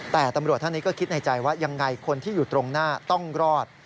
แต่ตำรวจท่านนี้ก็คิดในใจว่ายังไงคนที่อยู่ตรงหน้าต้องรอด